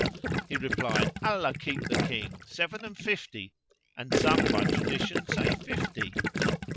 He replied, "Allah keep the King! Seven and fifty and some by tradition say fifty."